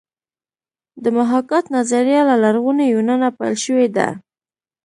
د محاکات نظریه له لرغوني یونانه پیل شوې ده